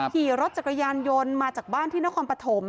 ขี่รถจักรยานยนต์มาจากบ้านที่นครปฐม